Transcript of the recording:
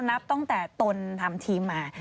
นับตั้งแต่ตนทำทีมมา